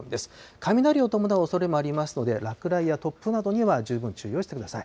雷を伴うおそれもありますので、落雷や突風などには十分注意をしてください。